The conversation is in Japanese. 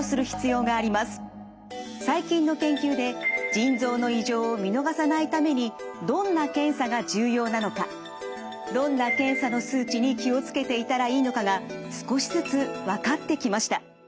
最近の研究で腎臓の異常を見逃さないためにどんな検査が重要なのかどんな検査の数値に気を付けていたらいいのかが少しずつ分かってきました。